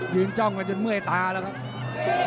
จ้องกันจนเมื่อยตาแล้วครับ